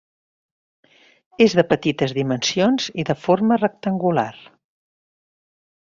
És de petites dimensions i de forma rectangular.